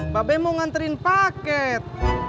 mbak ben mau nganterin paket